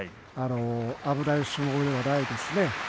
危ない相撲がないですね。